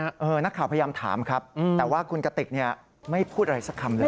นักข่าวพยายามถามครับแต่ว่าคุณกติกเนี่ยไม่พูดอะไรสักคำเลย